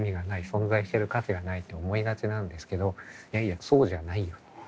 存在してる価値がない」と思いがちなんですけど「いやいやそうじゃないよ」と。